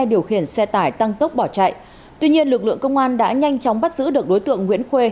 điều khiển xe tải tăng tốc bỏ chạy tuy nhiên lực lượng công an đã nhanh chóng bắt giữ được đối tượng nguyễn khuê